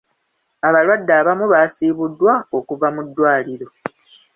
Abalwadde abamu baasiibuddwa okuva mu ddwaliro.